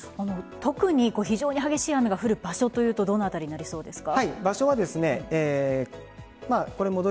特に、非常に激しい雨が降る場所というとどの辺りになりそうですか？